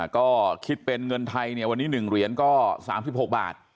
ก็คิดเป็นเงินไทยเนี่ยวันนี้๑เหรียญก็๓๖บาท